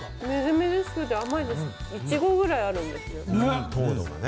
瑞々しくて甘いです、イチゴくらいあるんですね。